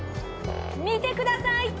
見てください！